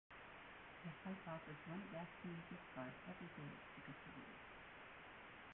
The site offers one gasoline gift card every day to contributors.